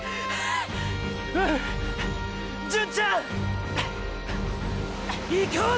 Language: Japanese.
うん純ちゃん！！いこうぜ！！